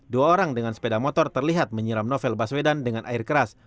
dua orang dengan sepeda motor terlihat menyiram novel baswedan dengan air keras